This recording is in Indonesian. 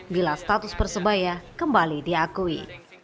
bila status persebaya kembali diakui